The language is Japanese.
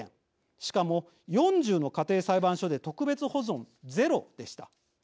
しかも、４０の家庭裁判所で特別保存ゼロでした。